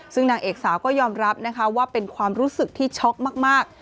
ซึ่งนางเอกสาวก็ยอมรับนะคะว่าเป็นความรู้สึกที่ช็อกมาก